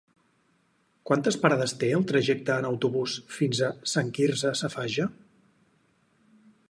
Quantes parades té el trajecte en autobús fins a Sant Quirze Safaja?